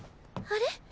あれ？